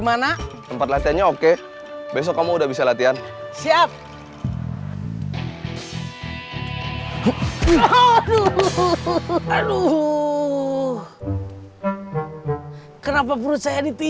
mudah mudahan keadaannya damai terus kayak gini